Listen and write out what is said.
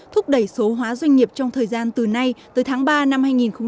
thúc đẩy số hóa doanh nghiệp trong thời gian từ nay tới tháng ba năm hai nghìn hai mươi